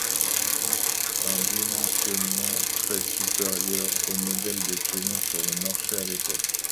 Un dimensionnement très supérieur aux modèles de camions sur le marché à l'époque.